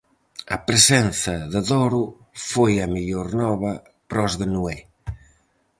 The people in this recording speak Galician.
A presenza de Doro foi a mellor nova para os de Noé.